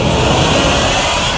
aku mau ke rumah